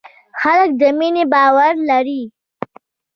هلک د مینې باور لري.